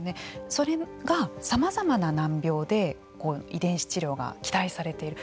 それがさまざまな難病で遺伝子治療が期待されている。